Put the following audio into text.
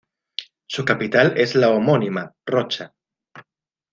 Su capital es la homónima Rocha.